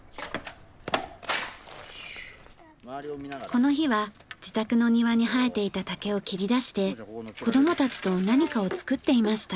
この日は自宅の庭に生えていた竹を切り出して子供たちと何かを作っていました。